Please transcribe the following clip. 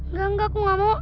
enggak enggak aku gak mau